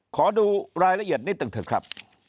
ขอดูรายละเอียดนิดหนึ่งเถอะครับ